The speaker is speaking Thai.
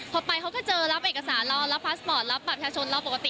พอไปเขาก็เจอรับเอกสารเรารับพาสปอร์ตรับบัตรประชาชนเราปกติ